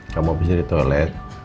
kamu habisnya di toilet